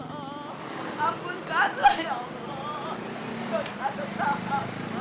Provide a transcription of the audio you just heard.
anggurkanlah ya allah dosa dosa apa